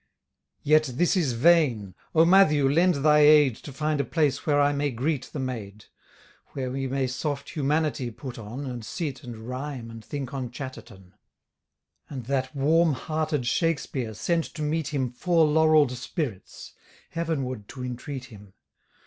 Yet this is vain O Mathew lend thy aid To find a place where I may greet the maid Where we may soft humanity put on, And sit, and rhyme and think on Chatterton; And that warm hearted Shakspeare sent to meet him Four laurell'd spirits, heaven ward to intreat him.